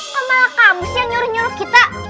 kok malah kamu sih yang nyuruh nyuruh kita